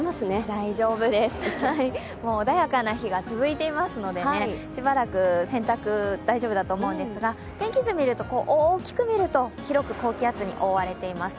大丈夫です、穏やかな日が続いていますのでしばらく洗濯、大丈夫だと思うんですが大きく見ると、広く高気圧に覆われています。